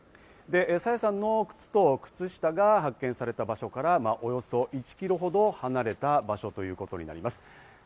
朝芽さんの靴と靴下が発見された場所から、およそ１キロほど離れた場所ということになります。